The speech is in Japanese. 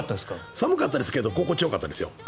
寒かったですけど心地よかったですよ。